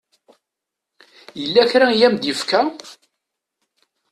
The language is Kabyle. Yella kra i am-d-yefka?